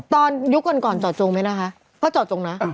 ตอนยุคก่อนจ่อจงไหมนะคะก็จ่อจงนะ